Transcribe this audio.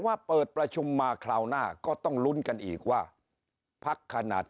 ว่าเปิดประชุมมาคราวหน้าก็ต้องลุ้นกันอีกว่าพักขนาด